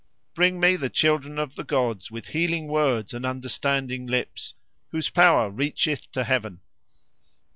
Bring me the children of the gods with healing words and understanding lips, whose power reacheth to heaven."